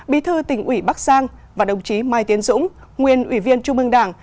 bí thư tỉnh ủy bắc giang và đồng chí mai tiến dũng nguyên ủy viên trung ương đảng